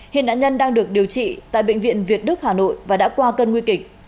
hiện nạn nhân đang được điều trị tại bệnh viện việt đức hà nội và đã qua cơn nguy kịch